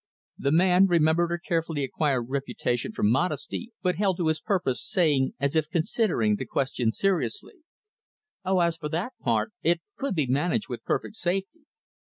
The man remembered her carefully acquired reputation for modesty, but held to his purpose, saying, as if considering the question seriously, "Oh, as for that part; it could be managed with perfect safety."